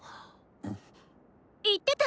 言ってた！